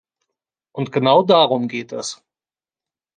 Und genau darum geht es.